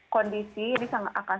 kondisi ini akan